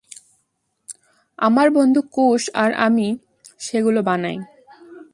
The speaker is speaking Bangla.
আমার বন্ধু কুশ আর আমি সেগুলো বানাই!